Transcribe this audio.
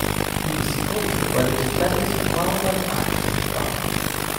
He was supported by the Defenders of Wildlife Action Fund.